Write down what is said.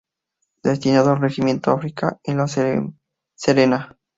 Destinado al Regimiento Arica en La Serena.